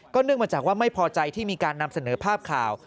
เนื่องมาจากว่าไม่พอใจที่มีการนำเสนอภาพข่าว